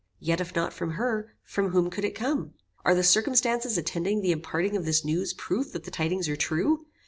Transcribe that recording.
Yet if not from her, from whom could it come? Are the circumstances attending the imparting of this news proof that the tidings are true?